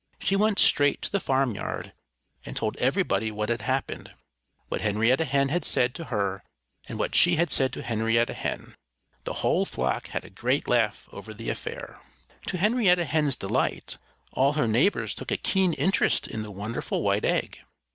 She went straight to the farmyard and told everybody what had happened what Henrietta Hen had said to her and what she had said to Henrietta Hen. The whole flock had a great laugh over the affair. To Henrietta Hen's delight, all her neighbors took a keen interest in the wonderful white egg.